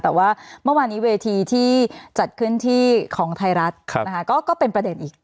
แต่ว่าเมื่อวานนี้เวทีที่จัดขึ้นที่ของไทยรัฐนะคะก็เป็นประเด็นอีก